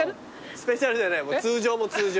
スペシャルじゃない通常も通常。